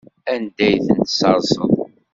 Anda ay tent-tesserseḍ?